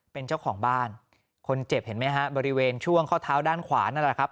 เป็นเจ้าของบ้านคนเจ็บเห็นไหมฮะบริเวณช่วงข้อเท้าด้านขวานั่นแหละครับ